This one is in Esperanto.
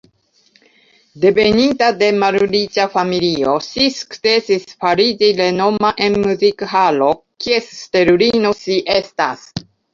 Deveninta de malriĉa familio, ŝi sukcesis fariĝi renoma en muzik-halo, kies stelulino ŝi estas.